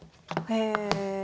へえ。